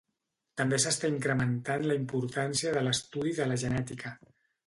També s'està incrementant la importància de l'estudi de la genètica.